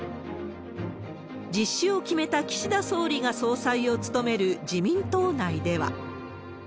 実施を決めた岸田総理が総裁を務める自民党内では。